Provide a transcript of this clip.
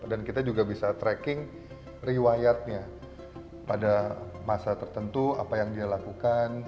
dan kita juga bisa tracking riwayatnya pada masa tertentu apa yang dia lakukan